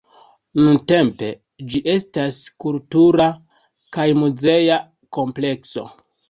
Nuntempe ĝi estas kultura kaj muzea komplekso.